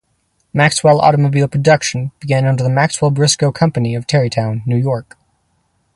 Maxwell automobile production began under the Maxwell-Briscoe Company of Tarrytown, New York.